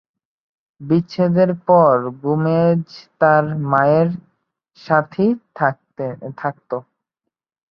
বিচ্ছেদের পর গোমেজ তার মায়ের সাথেই থাকত।